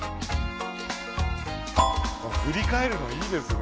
振り返るのいいですね。